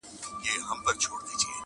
شرنګی دی د ناپایه قافلې د جرسونو٫